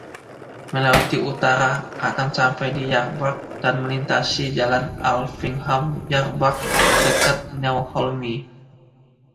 Melewati utara, akan sampai di Yarburgh, dan melintasi jalan Alvingham-Yarburgh dekat Newholme.